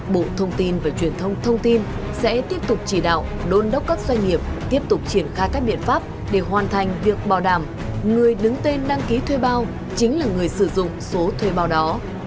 bộ thông tin và truyền thông thông tin sẽ tiếp tục chỉ đạo đôn đốc các doanh nghiệp tiếp tục triển khai các biện pháp để hoàn thành việc bảo đảm người đứng tên đăng ký thuê bao chính là người sử dụng số thuê bao đó